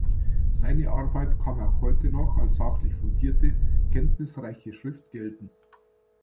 Seine Arbeit kann auch heute noch als sachlich fundierte, kenntnisreiche Schrift gelten.